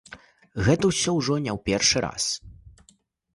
Гэта ўсё ўжо не ў першы раз.